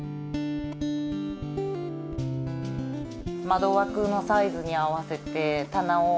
窓枠のサイズに合わせて棚を。